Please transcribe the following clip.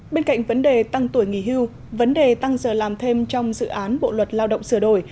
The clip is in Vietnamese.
bên cạnh vấn đề tăng tuổi nghỉ hưu vấn đề tăng giờ làm thêm trong dự án bộ luật lao động sửa đổi